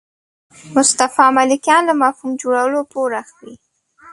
مصطفی ملکیان له مفهوم جوړولو پور اخلي.